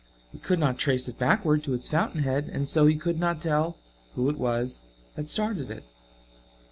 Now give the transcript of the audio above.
He could not trace it backward to its fountain head, and so he could not tell who it was that started it.